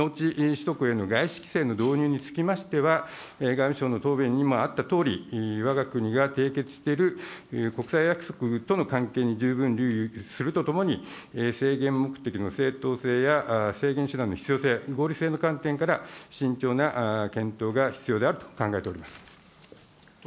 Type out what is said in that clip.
なお、農地取得への外資規制の導入につきましては、外務省の答弁にもあったとおり、わが国が締結している国際約束との関係に十分留意するとともに、制限目的の正当性や、制限手段の必要性、合理性の観点から、慎重な検討が必要であると考えております。